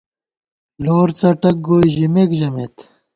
لور څٹک گوئے ژِمېک ژمېت